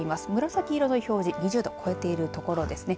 紫色の表示、２０度超えている所ですね。